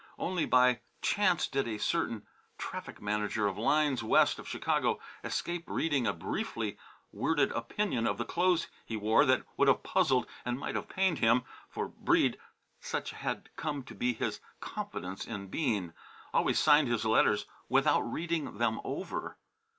Only by chance did a certain traffic manager of lines west of Chicago escape reading a briefly worded opinion of the clothes he wore that would have puzzled and might have pained him, for Breede, such had come to be his confidence in Bean, always signed his letters without reading them over.